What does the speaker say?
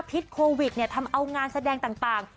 พิษโควิดทำเอางานแสดงต่าง